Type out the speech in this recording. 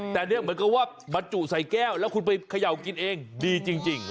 แต่เนี่ยเหมือนกับว่าบรรจุใส่แก้วแล้วคุณไปเขย่ากินเองดีจริง